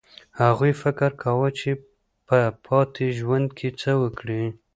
هغوی فکر کاوه چې په پاتې ژوند کې څه وکړي